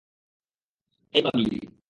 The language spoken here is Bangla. এই, পাগলি।